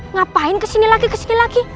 ngapain kesini lagi kesini lagi